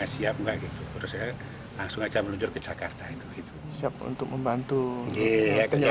siap nggak gitu terus langsung aja meluncur ke jogja